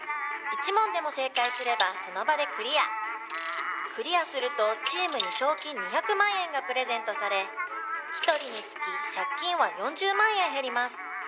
「１問でも正解すればその場でクリア」「クリアするとチームに賞金２００万円がプレゼントされ一人につき借金は４０万円減ります」